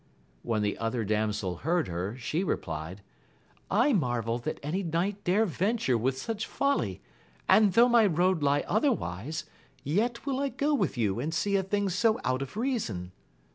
When the other damsel heard her, she replied, I marvel that any knight dare venture with such folly, and, though my road lie otherwise, yet will I go with you and see a thing so out of reason.